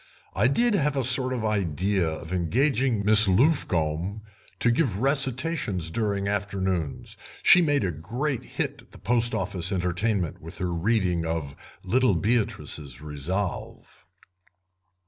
I did have a sort of idea of engaging Miss Luffcombe to give recitations during afternoons; she made a great hit at the Post Office entertainment with her rendering of 'Little Beatrice's Resolve'."